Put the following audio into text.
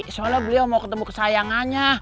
soalnya beliau mau ketemu kesayangannya